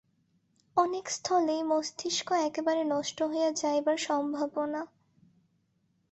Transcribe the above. অনেক স্থলেই মস্তিষ্ক একেবারে নষ্ট হইয়া যাইবার সম্ভাবনা।